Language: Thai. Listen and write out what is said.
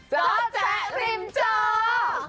เจ้าแจ๊กริมเจ้า